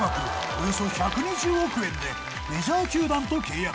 およそ１２０億円でメジャー球団と契約